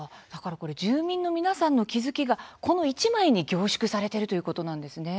住民の皆さんの気付きがこの１枚に凝縮されているということなんですね。